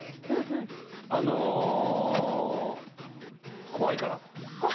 あのー、怖いから。